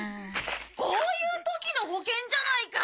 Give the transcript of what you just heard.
こういう時の保険じゃないか！